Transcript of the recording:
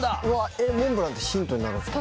えっモンブランってヒントになるんですか